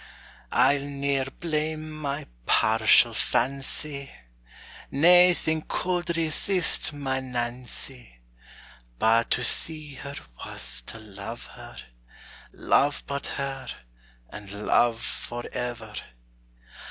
I'll ne'er blame my partial fancy Naething could resist my Nancy: But to see her was to love her, Love but her, and love forever.